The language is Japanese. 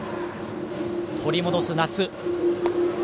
取り戻す夏。